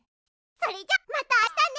それじゃまたあしたね。